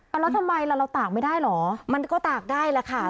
แล้วทำไมล่ะเราตากไม่ได้เหรอมันก็ตากได้แหละค่ะ